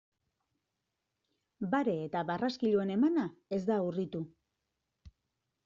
Bare eta barraskiloen emana ez da urritu.